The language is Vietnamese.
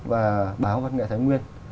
và báo văn nghệ thái nguyên